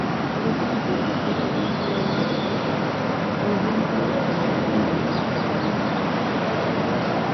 Para ejecutar una aplicación se deberá invocar el "runtime" con los parámetros adecuados.